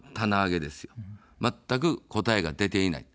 まったく答えが出ていない。